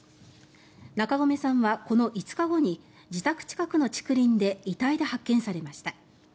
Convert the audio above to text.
中込さんは、この５日後に自宅近くの竹林で遺体で発見されました。